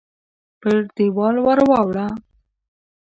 پر دېوال ورواړوه !